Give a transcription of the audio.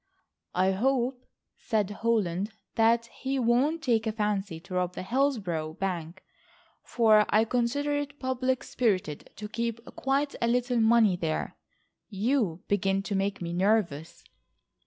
"I hope," said Holland, "that he won't take a fancy to rob the Hillsborough Bank, for I consider it public spirited to keep quite a little money there. You begin to make me nervous."